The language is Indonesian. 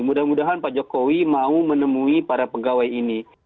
mudah mudahan pak jokowi mau menemui para pegawai ini